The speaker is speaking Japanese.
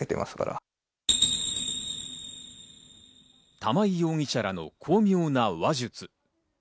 玉井容疑者らの巧妙な話術。